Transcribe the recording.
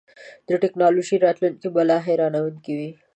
د ټیکنالوژۍ راتلونکی به لا حیرانوونکی وي.